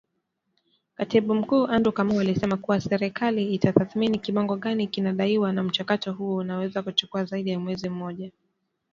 Katibu Mkuu Andrew Kamau alisema kuwa, serikali inatathmini kiwango gani kinadaiwa na mchakato huo unaweza kuchukua zaidi ya mwezi mmoja.